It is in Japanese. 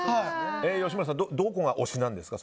吉村さん、どこが推しなんですか？